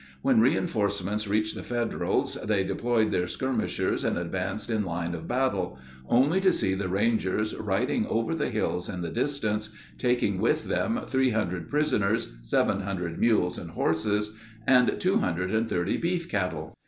When reinforcements reached the Federals they deployed their skirmishers and advanced in line of battle, only to see the Rangers riding over the hills in the distance, taking with them three hundred prisoners, seven hundred mules and horses, and two hundred and thirty beef cattle.